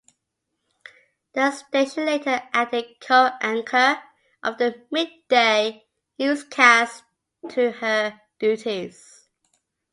The station later added co-anchor of the midday newscast to her duties.